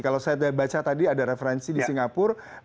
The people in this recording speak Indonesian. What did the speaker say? kalau saya baca tadi ada referensi di singapura